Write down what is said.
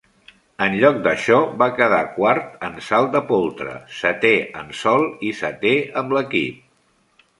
En lloc d'això, va quedar quart en salt de poltre, setè en sòl i setè amb l'equip.